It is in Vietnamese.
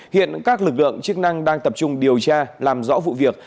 hiện các lực lượng chức năng đang tập trung điều tra làm rõ vụ việc